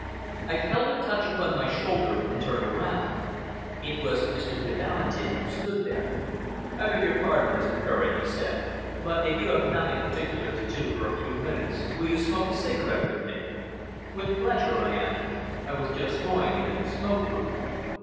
I felt a touch upon my shoulder and turned around. It was Mr. de Valentin who stood there. "I beg your pardon, Mr. Courage," he said, "but if you have nothing particular to do for a few minutes, will you smoke a cigarette with me?" "With pleasure!" I answered. "I was just going into the smoke room."